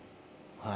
はい。